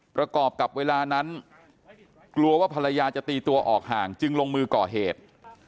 ประกอบกับเวลานั้นกลัวว่าภรรยาจะตีตัวออกห่างจึงลงมือก่อเหตุ